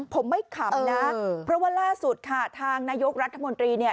ผมไม่ขำนะเพราะว่าล่าสุดค่ะทางนายกรัฐมนตรีเนี่ย